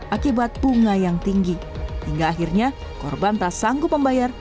akibat bunga yang tinggi hingga akhirnya korban tak sanggup membayar